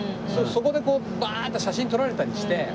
そこでバーッと写真撮られたりして。